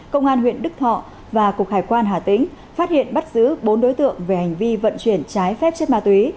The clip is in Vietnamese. công an huyện đức thọ và cục hải quan hà tĩnh phát hiện bắt giữ bốn đối tượng về hành vi vận chuyển trái phép chất ma túy